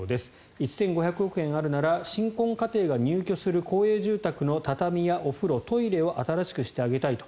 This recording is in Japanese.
１５００億円あるなら新婚家庭が入居する公営住宅の畳やお風呂、トイレを新しくしてあげたいと。